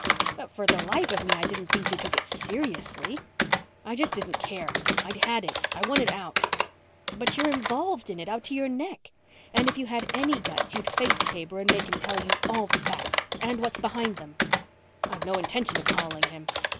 "But for the life of me I didn't think you took it seriously." "I just didn't care. I'd had it. I wanted out." "But you're involved in it, up to your neck, and if you had any guts you'd face Taber and make him tell you all the facts and what's behind them." "I have no intention of calling him."